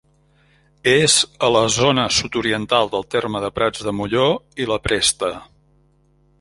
És a la zona sud-oriental del terme de Prats de Molló i la Presta.